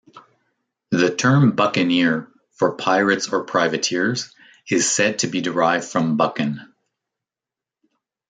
The term "buccaneer" for pirates or privateers, is said to be derived from buccan.